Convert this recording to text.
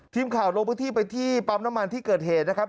ทีมข่าวลงพื้นที่ไปที่ปั๊มน้ำมันที่เกิดเหตุนะครับ